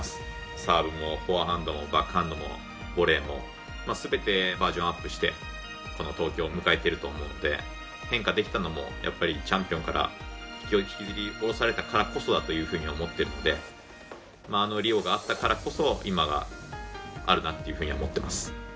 サーブもフォアハンドもバックハンドもボレーもすべてバージョンアップしてこの東京を迎えてると思うんで変化できたのもやっぱりチャンピオンから引きずり下ろされたからこそだというふうに思ってるのであのリオがあったからこそ今があるなっていうふうに思ってます。